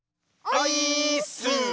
オイーッス！